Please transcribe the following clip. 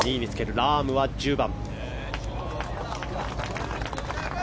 ラームは１０番。